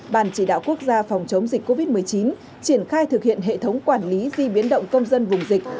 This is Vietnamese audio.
bàn chỉ đạo quốc gia phòng chống dịch covid một mươi chín triển khai thực hiện hệ thống quản lý di biến động công dân vùng dịch